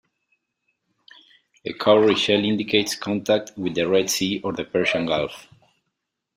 A cowrie shell indicates contact with the Red Sea or the Persian Gulf.